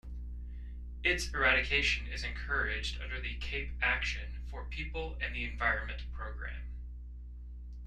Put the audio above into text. Its eradication is encouraged under the Cape Action for People and the Environment program.